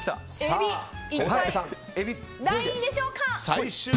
えび、何位でしょうか。